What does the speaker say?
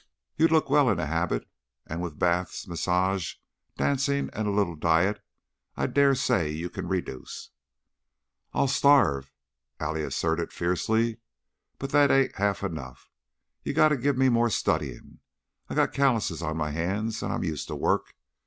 "You'd look well in a habit, and with baths, massage, dancing, and a little diet I dare say you can reduce." "I'll starve," Allie asserted, fiercely. "But that ain't half enough. You gotta give me more studyin'. I got callouses on my hands and I'm used to work.